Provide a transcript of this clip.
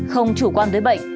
không chủ quan tới bệnh